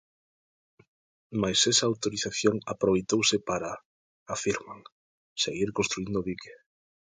Mais esa autorización aproveitouse para, afirman, seguir construíndo o dique.